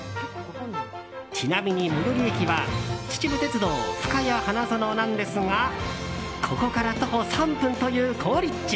ちなみに最寄り駅は秩父鉄道ふかや花園なんですがここから徒歩３分という好立地。